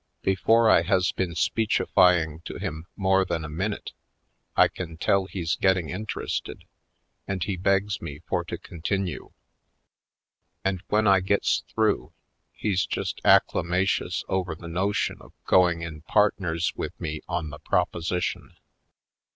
Before I has been speechifying to him more than a min ute I can tell he's getting interested and he begs me for to continue. And when I gets through he's just acclamatious over the no tion of going in partners with me on the proposition.